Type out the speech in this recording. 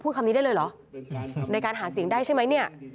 เป็นการหาเสียงได้ใช่ไหมในการหาเสียงได้ใช่ไหมเนี่ย